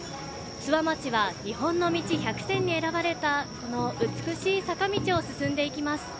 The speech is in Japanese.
諏訪町は日本の道１００選に選ばれた美しい坂道を進んでいきます。